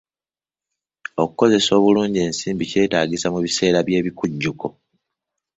Okukozesa obulungi ensimbi kyetaagisa mu biseera by'ebikujjuko